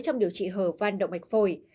trong điều trị hở van động mạch phổi